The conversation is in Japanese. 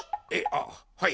あっはい。